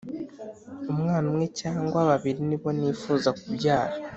Umwana umwe cyangwa babiri nibo nifuza kubyara